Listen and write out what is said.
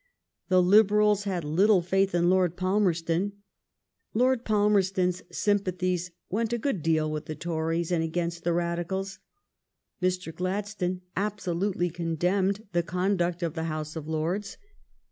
The Liberals had little faith in Lord Palmerston. Lord Pal merston s sympathies went a good deal with the Tories and against the Radicals. Mr. Gladstone absolutely condemned the conduct of the House of Lords.